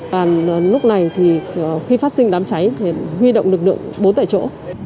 còn lúc này thì khi phát sinh đám cháy thì huy động lực lượng bốn tại chỗ